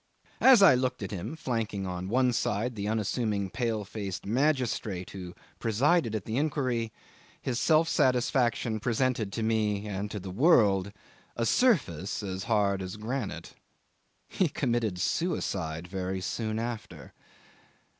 As I looked at him, flanking on one side the unassuming pale faced magistrate who presided at the inquiry, his self satisfaction presented to me and to the world a surface as hard as granite. He committed suicide very soon after.